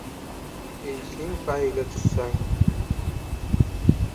Eyishning payiga tushsang